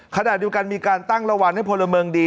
ขณะดีกว่าการมีการตั้งระวังให้พลเมิงดี